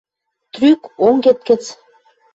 трӱк онгет гӹц